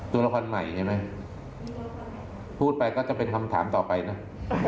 ถึงเรารู้เร่าว่าไม่รู้ค่ะเรามีผลที่สาย